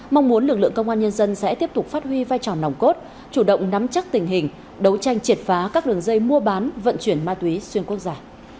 mong muốn lực lượng công an nhân dân sẽ tiếp tục phát huy vai trò nòng cốt chủ động nắm chắc tình hình đấu tranh triệt phá các đường dây mua bán vận chuyển ma túy xuyên quốc gia